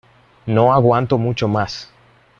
¡ No aguanto mucho más!